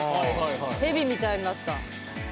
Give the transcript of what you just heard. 蛇みたいになった。